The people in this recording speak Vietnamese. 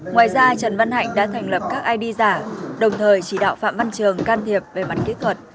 ngoài ra trần văn hạnh đã thành lập các id giả đồng thời chỉ đạo phạm văn trường can thiệp về mặt kỹ thuật